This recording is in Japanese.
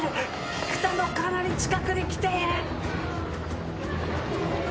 菊田のかなり近くに来ている。